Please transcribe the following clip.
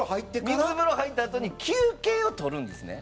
水風呂入ったあとに休憩を取るんですね。